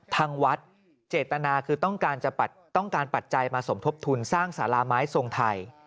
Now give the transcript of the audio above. ทางวัดเจตนาคือต้องการปัจจัยมาสมทบทุนสร้างสาราไม้ทรงไทย